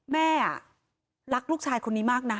แม่รักลูกชายคนนี้มากนะ